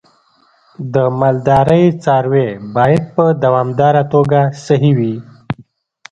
د مالدارۍ څاروی باید په دوامداره توګه صحي وي.